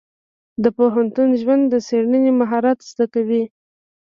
د پوهنتون ژوند د څېړنې مهارت زده کوي.